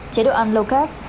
chế độ ăn low carb